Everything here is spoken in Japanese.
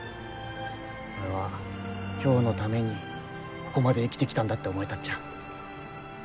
俺は今日のためにここまで生きてきたんだって思えたっちゃ。